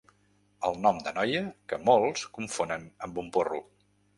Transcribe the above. El nom de noia que molts confonen amb un porro.